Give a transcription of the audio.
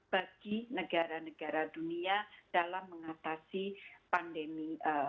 bagi negara negara dunia dalam mengatasi pandemi